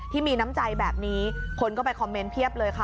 ที่มีน้ำใจแบบนี้คนก็ไปคอมเมนต์เพียบเลยค่ะ